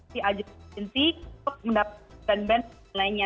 si agency untuk mendapatkan brand brand lainnya